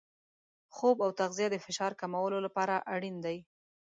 خوب او تغذیه د فشار کمولو لپاره اړین دي.